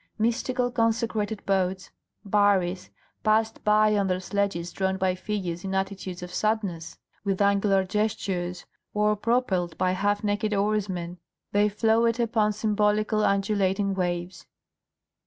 Mystical consecrated boats (baris) passed by on their sledges drawn by figures in attitudes of sadness, with angular gestures, or propelled by half naked oarsmen, they floated upon symbolical undulating waves.